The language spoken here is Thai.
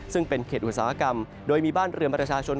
ซึ่งเป็นเขตอุตสาหกรรมโดยมีบ้านเรือนประชาชน